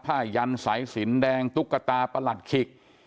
ยันสายสินแดงตุ๊กตาประหลัดขิก